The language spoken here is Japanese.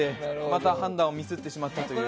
また判断をミスってしまったという。